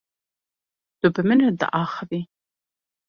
Tu bi min re diaxivî?